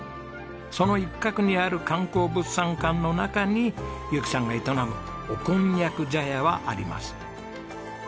その一角にある観光物産館の中に由紀さんが営むおこんにゃく茶屋はあります。